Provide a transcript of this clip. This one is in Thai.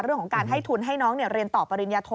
เรื่องของการให้ทุนให้น้องเรียนต่อปริญญาโท